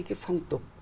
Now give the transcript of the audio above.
cái phong tục